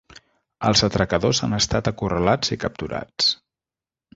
Els atracadors han estat acorralats i capturats.